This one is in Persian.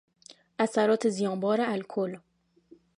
اثرات زیانبار الکل